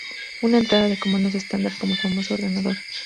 Una entrada de comandos estándar, como el famoso "¡Ordenador!